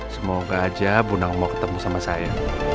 semoga aja bunang mau ketemu sama saya